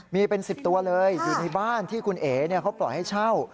มีเป็น๑๐ตัวเลยอยู่ในบ้านที่คุณเอ๋เขาปล่อยให้เช่า